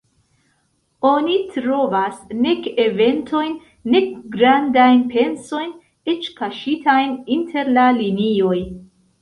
Oni trovas nek eventojn, nek grandajn pensojn, eĉ kaŝitajn inter la linioj.